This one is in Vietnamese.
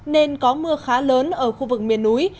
nên có mưa khá lớn ở khu vực miền núi